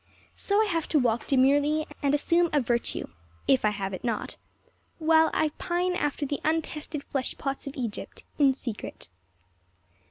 So I have to walk demurely and assume a virtue, if I have it not, while I pine after the untested flesh pots of Egypt in secret.